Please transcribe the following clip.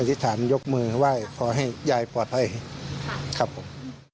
ธิษฐานยกมือไหว้ขอให้ยายปลอดภัยครับผม